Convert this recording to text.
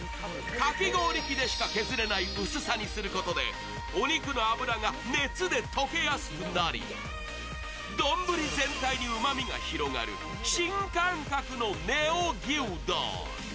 かき氷機でしか削れない薄さにすることでお肉の脂が熱で溶けやすくなり丼全体にうまみが広がる新感覚のＮＥＯ牛丼。